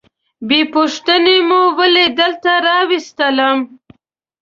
بې پوښتنې مو ولي دلته راوستلم؟